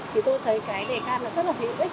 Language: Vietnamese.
thì tôi thấy cái đề can nó rất là hữu ích